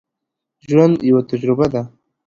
ژوند یوه تجربه ده